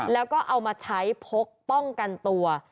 แล้วก็เอามาใช้พกป้องกันตัว